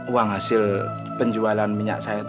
uang hasil penjualan minyak saya itu